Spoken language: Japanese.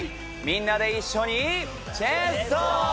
みんなで一緒にチェストー！